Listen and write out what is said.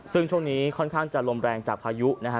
ซึ่งช่วงนี้ค่อนข้างจะลมแรงจากพายุนะฮะ